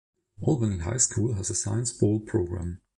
Albany High School has a Science Bowl program.